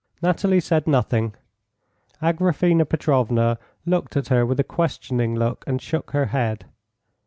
Nathalie said nothing. Agraphena Petrovna looked at her with a questioning look, and shook her head.